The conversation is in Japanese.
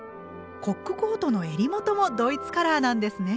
コックコートの襟元もドイツカラーなんですね。